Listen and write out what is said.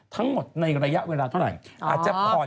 ทั้งหมดในระยะเวลาเท่าไหร่